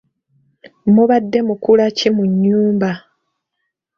Mubadde mukula ki mu nnyumba?